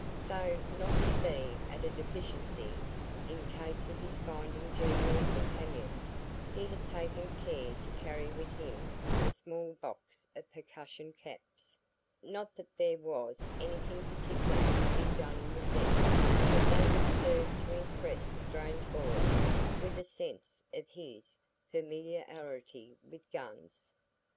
So, not to be at a deficiency, in case of his finding genial companions, he had taken care to carry with him a small box of percussion caps; not that there was anything particular to be done with them, but they would serve to impress strange boys with a sense of his familiarity with guns.